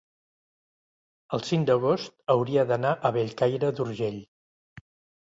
el cinc d'agost hauria d'anar a Bellcaire d'Urgell.